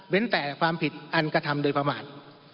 แต่ความผิดอันกระทำโดยประมาท